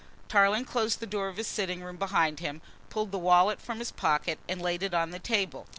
Tarling closed the door of his sitting room behind him, pulled the wallet from his pocket and laid it on the table.